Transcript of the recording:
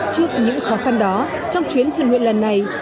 trước những khó khăn đó trong chuyến thuyền huyện lần này